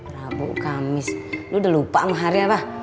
rabu kamis lu udah lupa sama hari apa